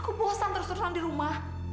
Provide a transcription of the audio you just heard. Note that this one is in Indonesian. aku bosan terus terusan di rumah